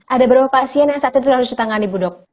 ada berapa pasien yang saat itu harus ditangani budok